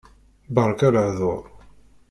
Beṛka lehḍuṛ.